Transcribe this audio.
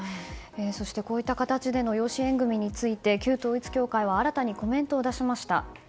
そして、こういった形での養子縁組について旧統一教会は新たにコメントを出しました。